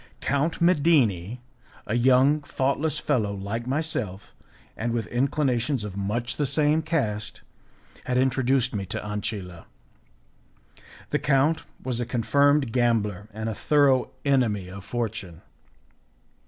Count Medini, a young, thoughtless fellow like myself, and with inclinations of much the same cast, had introduced me to Ancilla. The count was a confirmed gambler and a thorough enemy of fortune.